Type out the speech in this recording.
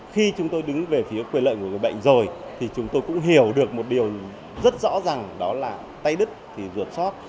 khi chúng tôi đứng về phía quyền lợi của người bệnh rồi thì chúng tôi cũng hiểu được một điều rất rõ ràng đó là tay đứt thì ruột sót